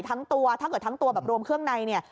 ไก่ทั้งตัวรวมเครื่องในเนี่ย